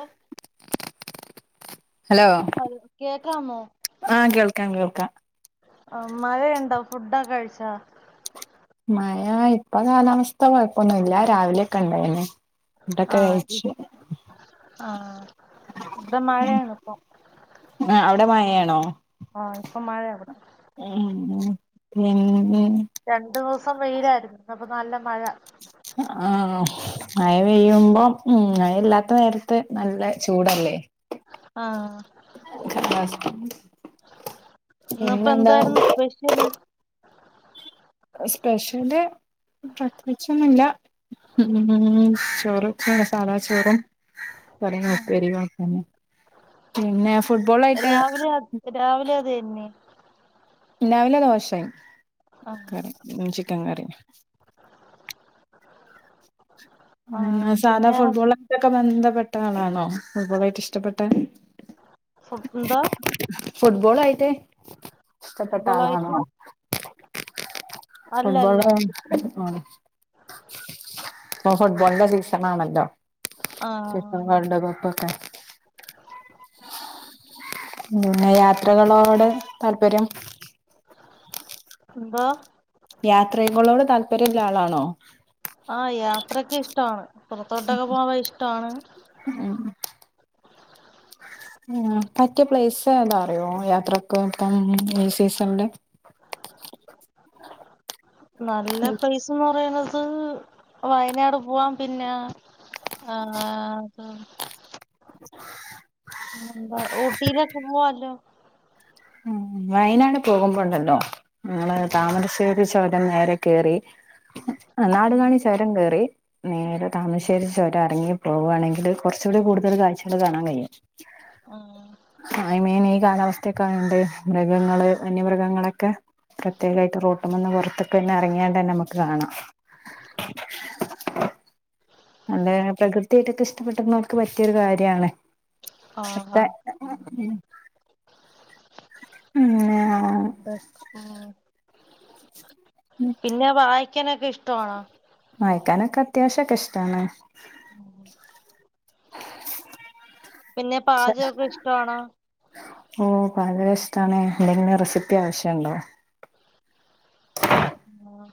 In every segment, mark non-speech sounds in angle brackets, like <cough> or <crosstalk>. ഓഹ് hello കേക്കാമോ? ആഹ് കേൾക്കാം കേൾക്കാം ആഹ് മഴയുണ്ടോ ഫുഡൊക്കെ കഴിച്ചോ? മഴ ഇപ്പം കാലാവസ്ഥ കൊഴപ്പൊന്നുല്ല. രാവിലൊക്കെ ഉണ്ടായിനി. ആഹ് ആഹ് ഇവ്ടെ മഴയാണ് ഇപ്പം. ആഹ് അവടെ മഴേണോ? ആഹ് ഇപ്പൊ മഴയാ ഇവിടെ ഉം ഉം വേറെ രണ്ടു ദൂസം വെയിലായിരുന്നു ഇന്ന്പ്പം നല്ല മഴ ആഹ് മഴ പെയ്യുമ്പം ഉം മഴയില്ലാത്ത നേരത്ത് നല്ല ചൂടല്ലേ. ആഹ് <unintelligible> ഇന്നിപ്പോ പിന്നെന്താ എന്തായിരുന്നു <inaudible> സ്പെഷ്യല് പ്രത്യേിച്ചൊന്നുല്ല ഉം ചോറ് സാതാ ചോറും <inaudible> തന്നെ ആഹ് ആഹ് പിന്നെ ഫുട്ബോൾ ആയിട്ട് രാവിലെ അത് രാവിലെ അതേന്നി രാവിലെ ദോശെ ആഹ് കറി ഇന്നും ചിക്കൻ കറി ആഹ് സാധാ പിന്നെ ഫുട്ബോളിലൊക്കെ ബന്ധപ്പെട്ട ആളാണോ? ഫുട്ബോള് ആയിട്ട് ഇഷ്ടപ്പെട്ടെ ഫുഡം എന്തോ ഫുട്ബോളായിട്ട് ഇഷ്ടപ്പെട്ട ആളാണോ? ഫുട്ബോളായിട്ട് ഫുട്ബോൾ അല്ലല്ല ആ ഇഷ്ടം ആണ് ഇപ്പൊ ഫുട്ബോളിന്റെ സീസണാണല്ലോ ഫിഫ ആഹ് വേൾഡ് കപ്പൊക്കെ പിന്നെ യാത്രകളോട് താല്പര്യം എന്തോ? യാത്രകളോട് താല്പര്യമുള്ള ആളാണോ? ആഹ് യാത്രയൊക്കെ ഇഷ്ടമാണ്. പുറത്തോട്ടൊക്കെ പോവാൻ ഇഷ്ടമാണ്. ഉം ഉം പറ്റിയ പ്ലേസ് ഏതാ അറിയോ? യാത്രക്കൊക്കെ ഇപ്പം ഈ സീസണില് നല്ല പ്ലേസ് ന്ന് പറയുന്നത് വയനാട് പോവാൻ പിന്നാ ആഹ് അത് എന്താ ഊട്ടീലൊക്കേ പോവാല്ലോ ഉം വയനാട് പോകുമ്പോണ്ടല്ലോ ങ്ങളെ താമരശ്ശേരി ത് ചൊരം നേരെ കേറി നാട് കാണി ചൊരം കേറി നേരെ താമരശ്ശേ രി ചൊരം ഇറങ്ങി പോവാണെങ്കിൽ കുറച്ചൂടി കൂടുതൽ കാഴ്ചകൾ കാണാൻ കഴിയും. ആഹ് ആ മെയിൻ ഈ കാലാവസ്ഥയൊക്കെ ആയോണ്ട് മൃഗങ്ങള് വന്യമൃഗങ്ങളൊക്കെ പ്രത്യേകായിട്ട് റോട്ട് മെന്ന് പുറത്തിക്ക് പിന്നെ ഇറങ്ങിയാണ്ടെന്നെ അമ്മക്ക് കാണാം. അവടെങ്ങനെ പ്രകൃതി ത്ത്യായിട്ട് ഇത് ഇഷ്ടപ്പെട്ടുന്നോർക്ക് പറ്റിയ ഒരു കാര്യാണ് ആഹ് പ്പേ ആഹ് <unintelligible> ഉം പിന്നെ വായിക്കാനൊക്കെ ഇഷ്ടമാണോ വായിക്കാനൊക്കെ അത്യാവശ്യം ഒക്കെ ഇഷ്ടാണ് <inaudible> പിന്നെ പാചകമൊക്കെ ഇഷ്ടാണോ ഓ പാചകം ഇഷ്ടാണ് എന്തെങ്കിലും റെസിപ്പി ആവശ്യം ഉണ്ടോ ആഹ്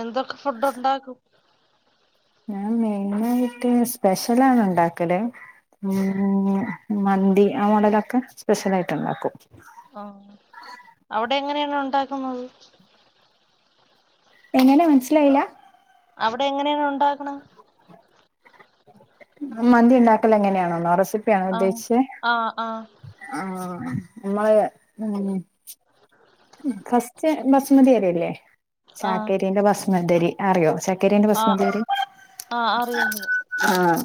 എന്തൊക്കെ ഫുഡ് ഉണ്ടാക്കും ഞാൻ മെയിനായിട്ട് സ്പെഷ്യലാണ് ഉണ്ടാക്കല് ആഹ് ഉം മന്തി ആ മോഡലൊക്കെ സ്പെഷ്യലായിട്ട് ഉണ്ടാക്കും ആഹ് അവിടെ എങ്ങനെയാണ് ഉണ്ടാക്കുന്നത് എങ്ങനെ മനസ്സിലായില്ല അവിടെ എങ്ങനെയാണ് ഉണ്ടാക്കണ് മന്തി ഉണ്ടാക്കൽ എങ്ങനെയാണോെന്നോ റെസിപ്പിയാണോ ആഹ് ഉദ്ദേശിച്ചെ ആഹ് ആഹ് ആഹ് നമ്മള് ഉം ഫസ്റ്റ് ബസ്മതി അരിയില്ലേ <unintelligible> ബസ്മതി അരി അറിയോ <unintelligible> ആഹ് ബസ്മതി അരി ആഹ് ആഹ് അറിയാം ആഹ്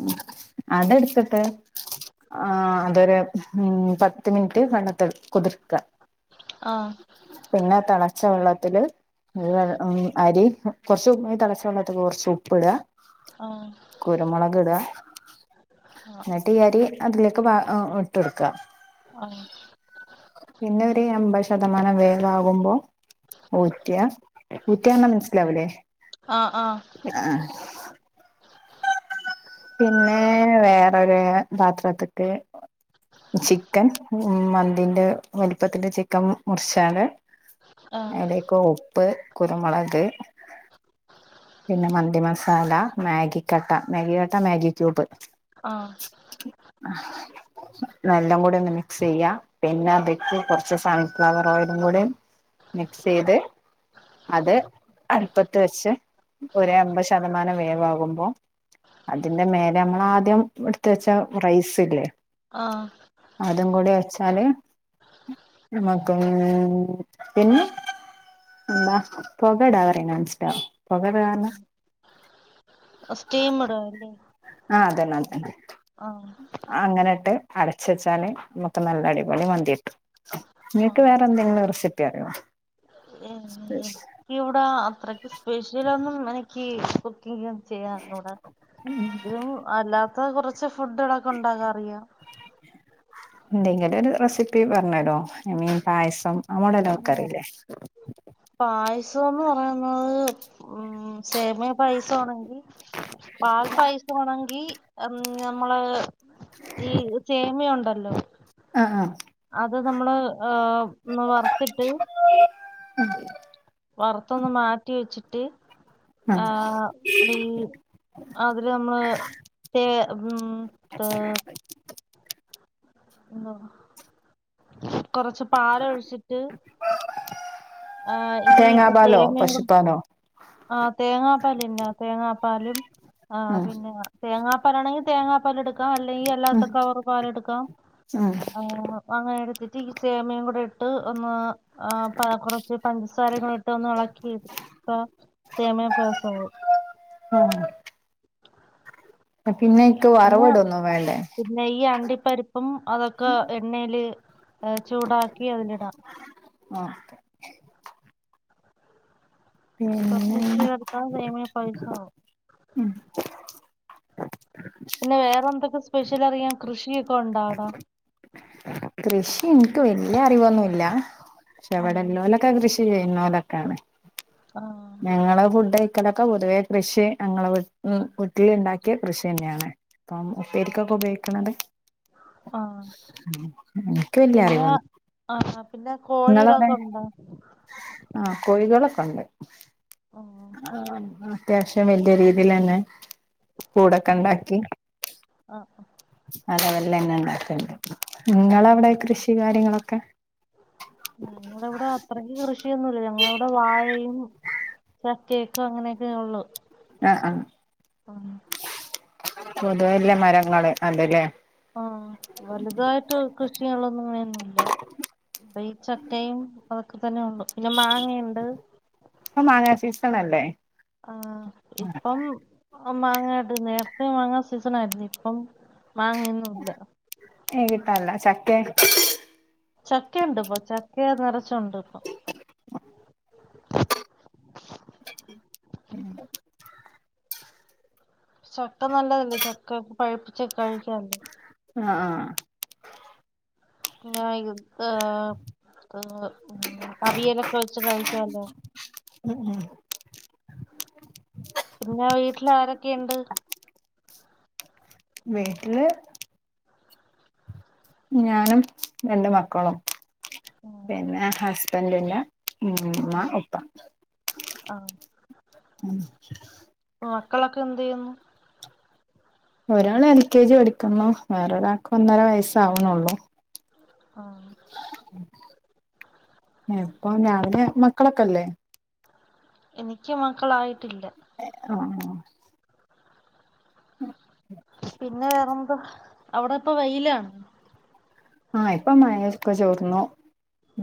അത് എട്ത്തിട്ട് ആഹ് അതൊരു ഉം പത്ത് മിനിറ്റ് വെള്ളത്തിൽ കുതിർക്ക ആഹ് പിന്നെ തെളച്ച വെള്ളത്തില് അത് വേറെ ഉം അരി കുറച്ച് <unintelligible> തിളച്ച വെള്ളത്തില് കുറച്ച് ഉപ്പിടുക ആഹ് കുരുമുളക് ഇടുക ആഹ് എന്നിട്ട് ഈ അരി അതിലേക്ക് ബാ ഏഹ് ഇട്ട് കൊടുക്ക ആഹ് പിന്നെ ഒരു അമ്പത് ശതമാനം വേവാകുമ്പോ ഊറ്റാ ഊറ്റ്യന്നാ മനസിലാവില്ലേ ആഹ് ആഹ് ആഹ് പിന്നെ വേറൊരു പാത്രത്ത്ക്ക് ചിക്കൻ ഉം മന്തിന്റെ വലുപ്പത്തിന്റെ ചിക്കൻ മുറിച്ചാല് ആഹ് ആഹ് അത് ഉപ്പ് കുരുമുളക് പിന്നെ മന്തി മസാല മാഗിക്കട്ട മാഗികട്ട മാഗി ക്യൂബ് ആഹ് <unintelligible> കൂടി ഒന്ന് മിക്സ് ചെയ്യാ പിന്നെ ബിസ്മി കൊറച്ച് സൺഫ്ലവർ ഓയിലും കൂടെ മിക്സ് ചെയ്ത് അത് അടുപ്പത്ത് വെച്ച് ഒരു അമ്പത് ശതമാനം വേവാകുമ്പോ അതിന്റെ മേലെ നമ്മള് ആദ്യം എടുത്ത് വെച്ച റൈസില്ലേ ആഹ് അതും കൂടി വെച്ചാല് <unintelligible> പിന്നെ <unintelligible> <unintelligible> ആഹ് അതന്നെ അതന്നെ ആഹ് അങ്ങനെ ഇട്ട് അടച്ച് വെച്ചാല് നമുക്ക് നല്ല അടിപൊളി മന്തി കിട്ടും നിങ്ങക്ക് ആഹ് വേറെ എന്തെങ്കിലും റെസിപ്പി അറിയോ എനിക്ക് ഇവിടാ അത്രക്ക് സ്പെഷ്യൽ ഒന്നും എനിക്ക് കുക്ക്ചെയ്യാൻ ചെയ്യാ അറിഞ്ഞൂടാ ഇതും അല്ലാത്ത കുറച്ച് ഫുഡ്കളൊക്ക ഉണ്ടാക്കാ അറിയ എന്തെങ്കിലും ഒരു റെസിപ്പി പറഞ്ഞരോ ഐ മീൻ പായസം അമോടലൊക്കറീല്ലേ പായസോന്ന് പറയുന്നത് ഉം സേമിയ പായസോണെങ്കി പാൽ പായസോണെങ്കി ഉം ഞമ്മള് ഈ ഇത് സേമിയോണ്ടല്ലോ അ ആഹ് അത് നമ്മള് ആഹ് ഒന്ന് വർത്തിട്ട് <unintelligible> വറുത്തൊന്ന് മാറ്റി വെച്ചിട്ട് ആഹ് നെയ്യ് അതില് നമ്മള് സേ ഉം പേ ഉം കൊറച്ച് പാലൊഴിച്ചിട്ട് ആഹ് ഈ തേങ്ങാ പാലോ തേങ്ങയും കൂടെ പശുപ്പാലോ ആഹ് തേങ്ങാപ്പാലില്ലേ തേങ്ങാപ്പാലും ആഹ് ഉം പിന്ന തേങ്ങാപ്പാലാണെങ്കി തേങ്ങാപ്പാലെടുക്കാം അല്ലെങ്കി ഉം അല്ലാത്ത കവറ് പാലെടുക്കാം ഉം ആഹ് അങ്ങനെ എടുത്തിട്ട് ഈ സേമിയെം കൂടെ ഇട്ട് ഒന്ന് ആഹ് പാ കുറ ഇച്ചിരി പൻസാരെ കൂടെ ഇട്ട് ഒന്ന് ഇളക്കി ടുത്താ സേമിയ പയസാവും ആഹ് പിന്നെ അയ്ക്ക് പിന്നെ വറവിടൊന്നും വേണ്ടേ പിന്നെ ഈ അണ്ടിപ്പരിപ്പും അതൊക്കെ എണ്ണേല് ഏഹ് ചൂടാക്കി അതിലിടാം ആഹ് പിന്നേ <unintelligible> സേമിയ പായസവും ഉം പിന്നെ വേറെന്തൊക്കെ സ്പെഷ്യൽ അറിയാം കൃഷിയൊക്കെ ഒണ്ടാട കൃഷി എനിക്ക് വല്യ അറിവൊന്നുല്ല പക്ഷെ ആഹ് ഇവിടെല്ലോലൊക്കെ കൃഷി ചെയ്യുന്നവലൊക്കാണ് ആഹ് ഞങ്ങളെ ഫുഡ് കഴിക്കലൊക്കെ പൊതുവേ കൃഷി ഞങ്ങളെ വീട്ടിന്ന് വീട്ടിലുണ്ടാക്കിയ കൃഷി തന്നെയാണ് അപ്പം ഉപ്പേരിക്കൊക്കെ ഉപയോഗിക്കണത് ആഹ് എനിക്ക് വല്യ പിന്നെ അറിവൊന്നു ആഹ് - ആഹ് പിന്നെ നിങ്ങളവിടെ കോഴികളൊക്കെ ഉണ്ടോ ആഹ് കോഴികളൊക്കൊണ്ട് ആഹ് അത്യാവശ്യം വല്യ രീതിയിലന്നെ കൂടൊക്കെണ്ടാക്കി ആഹ് അ ലെവലില്ലേന്നെ ഉണ്ടാക്കണ്ട് ങ്ങളെ അവിടെ കൃഷി കാര്യങ്ങളൊക്കെ ഞങ്ങളവിടെ അത്രയ്ക്ക് കൃഷിയൊന്നുല്ല ഞങ്ങളവിടെ വാഴയും ചക്കേക്കെ അങ്ങനെയൊക്കെ ഒള്ളു ആഹ് -ആഹ് പൊതുവെ ഇല്ല മരങ്ങള് അത് ല്ലേ ആഹ് വലുതായിട്ട് കൃഷി ചെയ്യാനുള്ളൊന്നും അങ്ങനെയൊന്നുല്ല അപ്പൊ ഈ ചക്കയും അതൊക്കെ തന്നെ ഉള്ളു പിന്നെ മാ ഇപ്പ മാങ്ങാ സീസണല്ലേ ആഹ് ഇപ്പം ആഹ് മാങ്ങാണ്ട് നേർത്തെ മാങ്ങാ സീസൺ ആയിരുന്നു ഇപ്പം മാങ്ങയൊന്നുല്ല ഏഹ് കിട്ടാല്ല ചക്കേ ചക്കയൊണ്ട് ഇപ്പ ചക്കേ നെറച്ചുണ്ട് ഇപ്പൊ ഉം ചക്ക നല്ലതല്ലേ ചക്ക പഴിപ്പിച്ച് കഴിക്കാല്ലേ ആഹ് -ആഹ് പിന്നെ <unintelligible> അവിയലൊക്കെ വെച്ച് കഴിക്കാല്ലോ ഉം -ഉം പിന്നേ വീട്ടിലാരൊക്കെയുണ്ട് വീട്ടില് ഞാനും രണ്ട് മക്കളും ഉം പിന്നെ ഹസ്ബന്റിന്റെ ഉമ്മ ഉപ്പ ആഹ് ഉം മക്കളൊക്കെ എന്തു ചെയ്യുന്നു ഒരാള് എൽ കെ ജി പഠിക്കുന്നു വേറൊരാൾക്ക് ഒന്നര വയസ്സാവണുള്ളു ആഹ് ഇപ്പൊ രാവിലെ മക്കളൊക്കെയില്ലേ എനിക്ക് മക്കളായിട്ടില്ലാ ഏഹ് ആഹ് - ആഹ് ഉം പിന്നെ വേറെന്തോ അവിടിപ്പം വെയിലാണോ ആഹ് ഇപ്പൊ മഴയൊക്കെ ചോർന്നു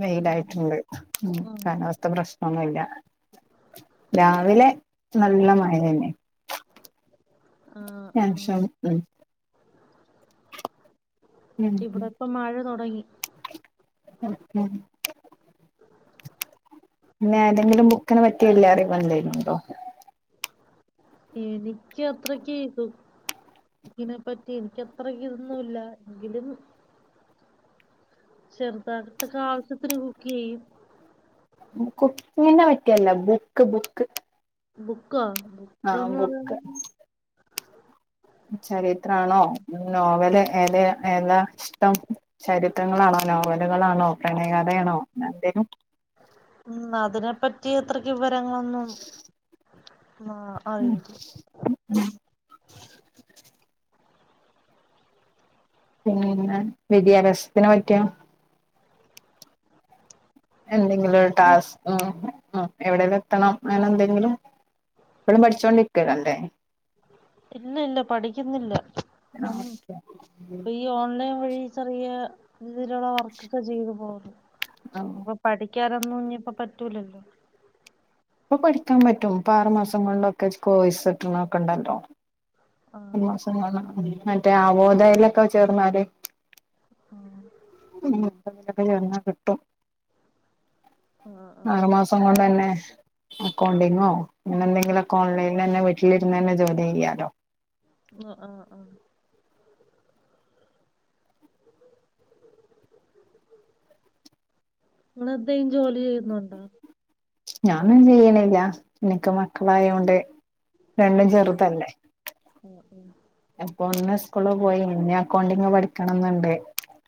വെയിലായിട്ടുണ്ട് ഉം കാലാവസ്ഥ പ്രശ്നൊന്നുയില്ല രാവിലെ നല്ല മഴയന്നെ ആഹ് -ആഹ് ശേഷം ഉം ഉം ഇവിടിപ്പം മഴ തൊടങ്ങി <unintelligible> പിന്നെ ഏതെങ്കിലും ബുക്കിനെ പറ്റി വല്ല അറിവെന്തേലുണ്ടോ എനിക്ക് അത്രക്ക് ഇതു അതിനെ പറ്റി എനിക്ക് അത്ര ഇതൊന്നുല്ല എങ്കിലും ചെറുതായിട്ടൊക്കെ ആവശ്യത്തിന് കുക്ക് ചെയ്യും കുക്കിങ്ങിനെ പറ്റിയല്ല ബുക്ക് ബുക്ക് ബുക്കോ ആഹ് ബുക്കന്ന് ബുക്ക് പറയുമ്പോ ചരിത്രാണോ നോവല് ഏത് ഏതാ ഇഷ്ടം ചരിത്രങ്ങളാണോ നോവലുകളാണോ പ്രണയകഥയാണോ എന്തെങ്കിലും ഉം അതിനെപ്പറ്റി അത്രക്ക് വിവരങ്ങളൊന്നും ഉം അയ്യോ പിന്നെ വിദ്യാഭ്യാസത്തിനെ പറ്റിയോ എന്തെങ്കിലും ഒരു പിന്നെ ടാസ്ക് ഉം എവിടെേലും എത്തണം അങ്ങനെ എന്തെങ്കിലും ഇപ്പോഴും പഠിച്ചുകോണ്ടിരിക്കലല്ലേ ഇല്ല ഇല്ല പഠിക്കുന്നില്ല ഇപ്പം ആഹ് ഓക്കെ ഓൺലൈൻ വഴി ചെറിയ രീതിലുള്ള വർക്കൊക്കെ ചെയ്ത് പോകും ആഹ് ഇനിപ്പ പഠി ക്കാനൊന്നും ഇഞ്ഞിപ്പോ പറ്റൂലല്ലോ ഇപ്പൊ പഠിക്കാൻ പറ്റും ഇപ്പൊ ആറുമാസം കൊണ്ടൊക്കെ കോയിസ്ട്ട്ണൊക്കെ ഉണ്ടല്ലോ ആഹ് മറ്റേ അവോദെലൊക്കെ ചേർന്നാല് ഉം ഉം ഇപ്പൊ അതിലൊക്കെ ചേർന്നാ കിട്ടും ആഹ് ആഹ് ആറു മാസം കൊണ്ട് തന്നെ അക്കൗണ്ടിങ്ങോ പിന്നെ എന്തെങ്കിലുമൊക്കെ ഓൺലൈനിൽ തന്നെ വീട്ടിലിരുന്ന് തന്നെ ജോലി ചെയ്യാലോ ആഹ് ആഹ് ഇങ്ങള് എന്തേം ജോലി ചെയ്യുന്നുണ്ടോ ഞാനൊന്നും ചെയ്യണില്ല എനക്ക് മക്കളായോണ്ട് രണ്ടും ചെറുതല്ലേ ഇപ്പൊ ഒന്ന് സ്കൂള് പോയി ഇഞ്ഞി അക്കൗണ്ടിങ് പഠിക്കണംന്നുണ്ട്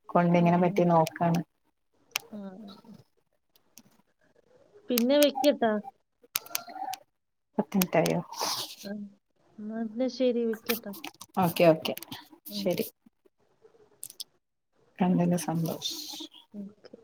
അക്കൗണ്ടിങ്ങിനെ പറ്റി നോക്കാണ് ഉം ഉം പിന്നെ വെക്കട്ടാ പത്തിൻറ്റായോ ഉം ഇന്നാ പിന്നെ ശരി വെക്കട്ടെ ഓക്കെ ഓക്കെ ശരി കണ്ടതിൽ സന്തോഷം ഓക്കെ